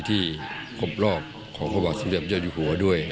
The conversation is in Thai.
ที่กลบรอบของความบัติเสียบเยอะดีหัวด้วย